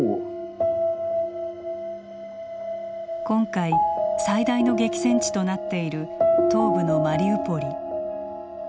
今回最大の激戦地となっている東部のマリウポリ。